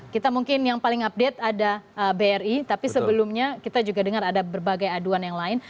kita mungkin yang paling update ada bri tapi sebelumnya kita juga dengar ada berbagai aduan yang lain